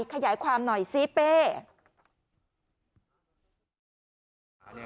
ขยายความหน่อยซิเป้